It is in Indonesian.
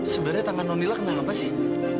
sebenarnya tangan nunila kenal apa sih